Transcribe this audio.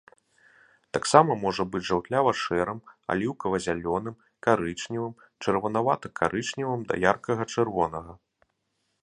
Таксама можа быць жаўтлява-шэрым, аліўкава-зялёным, карычневым, чырванавата-карычневым да яркага-чырвонага.